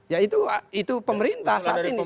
ya itu pemerintah saat ini